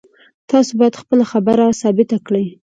تاسو باید خپله خبره ثابته کړئ